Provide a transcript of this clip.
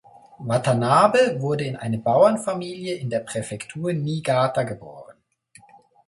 Watanabe wurde in eine Bauernfamilie in der Präfektur Niigata geboren.